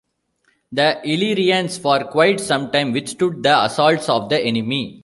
The Illyrians for quite some time withstood the assaults of the enemy.